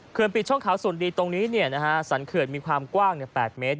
เขื่อนปิดช่องขาวสวนดีตรงนี้เนี่ยนะฮะสันเขื่อนมีความกว้างเนี่ย๘เมตร